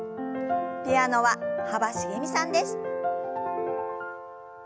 ピアノは幅しげみさんです。